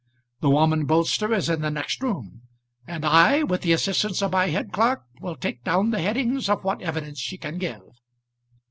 The woman Bolster is in the next room, and I, with the assistance of my head clerk, will take down the headings of what evidence she can give."